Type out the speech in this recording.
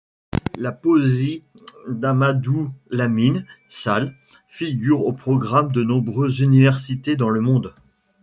La poésie d'Amadou Lamine Sall figure au programme de nombreuses universités dans le monde.